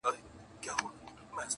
شعر ماښامی یو څو روپۍ او سګرټ ,